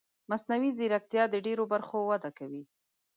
مصنوعي ځیرکتیا د ډېرو برخو وده کوي.